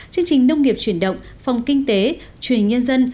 chương trình nông nghiệp truyền động phòng kinh tế truyền nhân dân